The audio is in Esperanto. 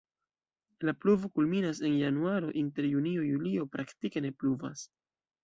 La pluvo kulminas en januaro, inter junio-julio praktike ne pluvas.